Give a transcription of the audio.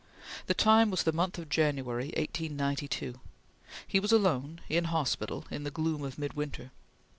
The time was the month of January, 1892; he was alone, in hospital, in the gloom of midwinter.